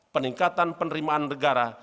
peningkatan penerimaan negara